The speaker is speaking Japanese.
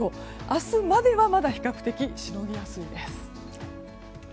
明日までは比較的しのぎやすいです。